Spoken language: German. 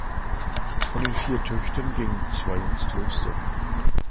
Von den vier Töchtern gingen zwei ins Kloster.